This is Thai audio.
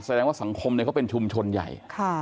แสดงว่าสังคมเขาเป็นชุมชนใหญ่